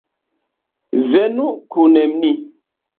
Venu kun ni!